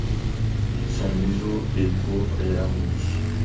Son museau est court et arrondi.